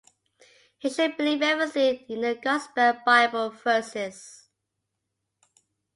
He should believe everything in the gospel bible verses